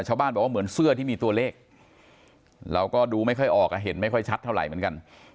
ชาวบ้านบอกว่าเหมือนเสื้อที่มีตัวเลขเราก็ดูไม่ค่อยออกเห็นไม่ค่อยชัดเท่าไหร่เหมือนกัน